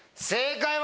正解！